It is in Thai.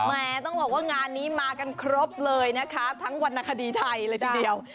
ต้องบอกว่างานนี้มากันครบเลยนะคะทั้งวรรณคดีไทยเลยทีเดียว